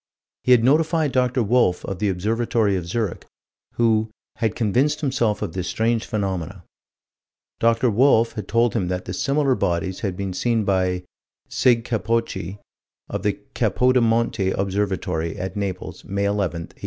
He had notified Dr. Wolf, of the Observatory of Zurich, who "had convinced himself of this strange phenomenon." Dr. Wolf had told him that similar bodies had been seen by Sig. Capocci, of the Capodimonte Observatory, at Naples, May 11, 1845.